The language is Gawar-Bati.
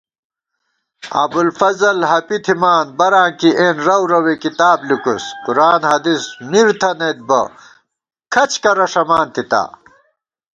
ابُوالفضل ہَپی تھِمان بَراں کی اېن رَو روے کتاب لِکُوس * قرآن حدیث مِر تھنَئت بہ کھڅ کرہ ݭمان تِتا